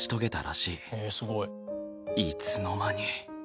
いつの間に。